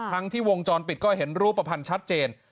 ทั้งที่วงจรปิดก็เห็นรูปภัณฑ์ชัดเจน